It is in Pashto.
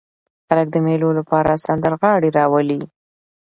خلک د مېلو له پاره سندرغاړي راولي.